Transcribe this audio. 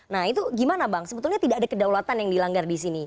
nah itu gimana bang sebetulnya tidak ada kedaulatan yang dilanggar di sini